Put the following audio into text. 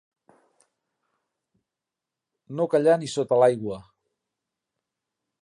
No callar ni sota l'aigua.